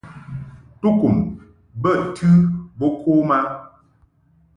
Tukum bə tɨ bo kom a .